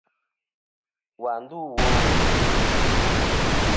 Wà ndû wo?